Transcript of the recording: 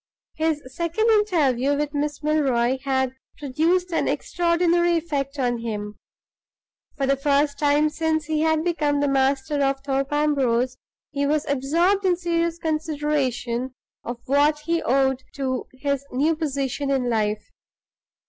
His second interview with Miss Milroy had produced an extraordinary effect on him. For the first time since he had become the master of Thorpe Ambrose, he was absorbed in serious consideration of what he owed to his new position in life.